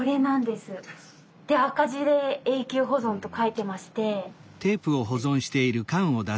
で赤字で「永久保存」と書いてまして。